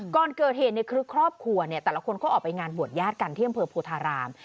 ก่อนเกิดเหตุในครอบครัวเนี่ยแต่ละคนเขาออกไปงานบวนญาติการเที่ยงเผลอโพธาราม